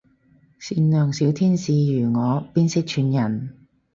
善良小天使如我邊識串人